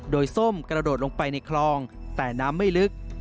โดยส้มกระโดดลงไปในคลองแต่น้ำไม่ลึก